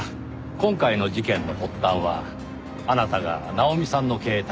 今回の事件の発端はあなたが奈穂美さんの携帯を拾い